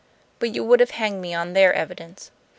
"But you would have hanged me on their evidence."